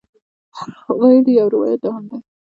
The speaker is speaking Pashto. ویل یې یو روایت دا هم دی.